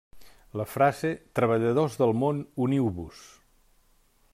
La frase Treballadors del món, uniu-vos!